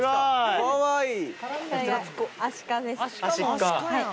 かわいい。